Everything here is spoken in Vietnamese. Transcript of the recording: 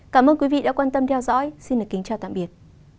cảm ơn quý vị đã quan tâm theo dõi xin kính chào tạm biệt